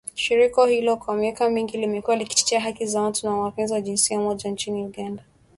Shirika hilo kwa miaka mingi limekuwa likitetea haki za watu wa mapenzi ya jinsia moja nchini Uganda